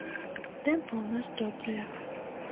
Тэмпы ў нас добрыя!